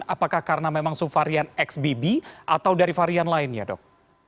apakah karena memang subvarian xbb atau dari varian lainnya dok